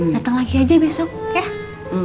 datang lagi aja besok ya